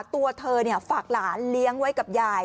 ตัวเธอเนี่ยฝากหลานเลี้ยงไว้กับแย่